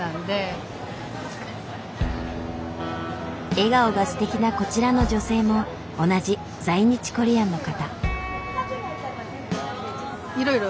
笑顔がすてきなこちらの女性も同じ在日コリアンの方。